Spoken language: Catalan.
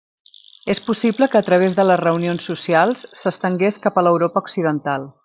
És possible que a través de les reunions socials s'estengués cap a l'Europa occidental.